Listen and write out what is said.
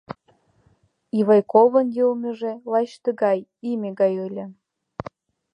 Ивайковын йылмыже лач тыгай име гай ыле.